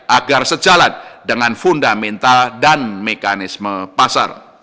agar sejalan dengan fundamental dan mekanisme pasar